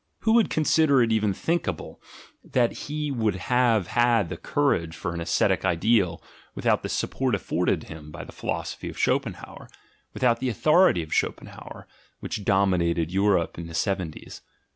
Who would con sider it even thinkable, that he would have had the courage for an ascetic ideal, without the support afforded him by the philosophy of Schopenhauer, without the authority of Schopenhauer, which dominated Europe in the seventies?